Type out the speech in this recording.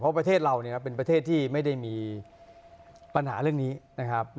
เพราะประเทศเราเนี่ยเป็นประเทศที่ไม่ได้มีปัญหาเรื่องนี้นะครับ